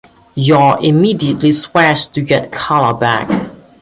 Yor immediately swears to get Kala back.